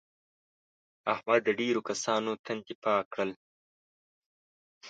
احمد د ډېرو کسانو تندي پاک کړل.